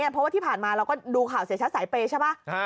เพราะว่าที่ผ่านมาเราก็ดูข่าวเสียชัดสายเปย์ใช่ไหม